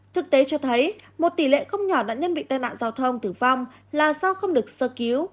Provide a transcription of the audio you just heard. thực tế cho thấy một tỷ lệ không nhỏ nạn nhân bị tai nạn giao thông tử vong là do không được sơ cứu